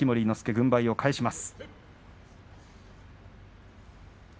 軍配を返します。